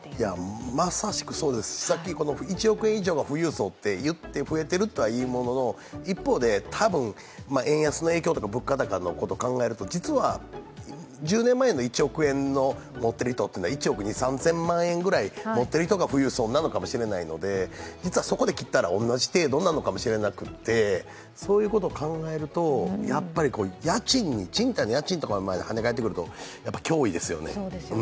まさしくそうですし、１億円以上は富裕層、増えてきていると言っているけど、一方で、多分、円安の影響とか物価高のことを考えると、実は１０年前の１億円を持ってる人っていうのは１億２０００３０００万円ぐらい持っている人が富裕層なのかもしれないので、実はそこで切ったら同じ程度なのかもしれなくて、そういうことを考えると、やっぱり賃貸の家賃とかにはね返ってくるとやっぱり脅威ですよね。